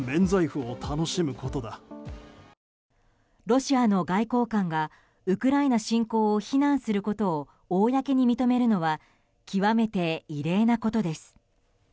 ロシアの外交官がウクライナ侵攻を非難することを公に認めるのは極めて異例なことです。